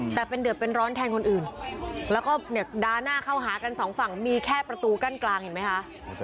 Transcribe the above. แต่เป็นเดือดเป็นร้อนแทนคนอื่นแล้วก็เนี่ยดาหน้าเข้าหากันสองฝั่งมีแค่ประตูกั้นกลางเห็นไหมคะ